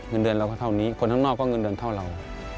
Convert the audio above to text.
เงินเดือนเราก็เท่านี้คนข้างนอกก็เงินเดือนเท่าเรา